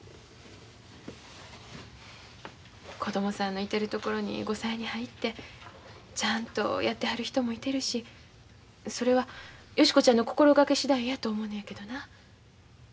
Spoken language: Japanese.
子供さんのいてるところに後妻に入ってちゃんとやってはる人もいてるしそれはヨシ子ちゃんの心がけ次第やと思うのやけどな。